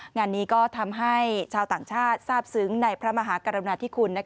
งานนี้ก็ทำให้ชาวต่างชาติทราบซึ้งในพระมหากรุณาธิคุณ